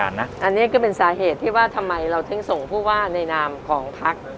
อันนี้ก็เป็นสาเหตุที่ว่าทำไมเราถึงส่งผู้ว่าในนามของพัก